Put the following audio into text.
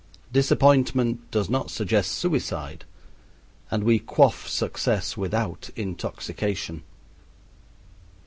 Disappointment does not suggest suicide, and we quaff success without intoxication.